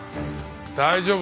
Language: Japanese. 大丈夫。